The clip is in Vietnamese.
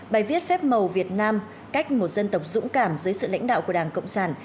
bài viết phép màu việt nam cách một dân tộc dũng cảm dưới sự lãnh đạo của đảng cộng sản